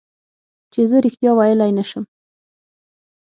چې زه رښتیا ویلی نه شم.